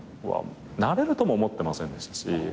なれるとも思ってませんでしたし。